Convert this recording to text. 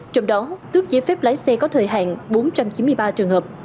trong đó tước giấy phép lái xe có thời hạn bốn trăm chín mươi ba trường hợp